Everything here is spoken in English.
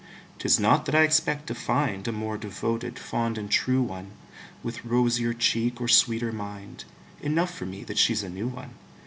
'Tis not that I expect to find A more devoted, fond and true one, With rosier cheek or sweeter mind Enough for me that she's a new one.